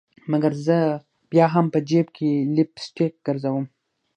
مګر زه بیا هم په جیب کي لپ سټک ګرزوم